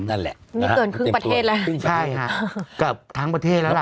นั่นแหละนี่เกินครึ่งประเทศแล้วครึ่งใช่ค่ะกลับทั้งประเทศแล้วล่ะ